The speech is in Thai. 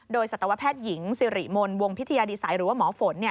โดยสัตวแพทย์หญิงสิริมนต์วงพิทยาดิสัยหรือว่าหมอฝน